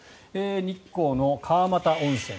日光の川俣温泉。